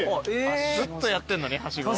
ずっとやってんのにハシゴ。